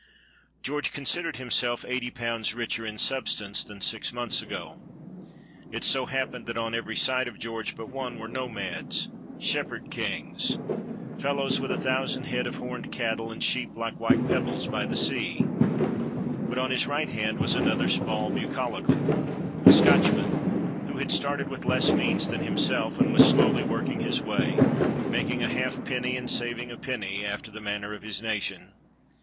George considered himself eighty pounds richer in substance than six months ago. It so happened that on every side of George but one were nomads, shepherd kings fellows with a thousand head of horned cattle, and sheep like white pebbles by the sea; but on his right hand was another small bucolical, a Scotchman, who had started with less means than himself, and was slowly working his way, making a halfpenny and saving a penny after the manner of his nation.